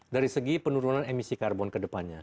dari segi penurunan emisi karbon ke depannya